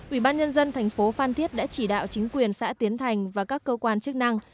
ủy ban nhân dân thành phố phan thiết đã chỉ đạo chính quyền xã tiến thành và các cơ quan chức năng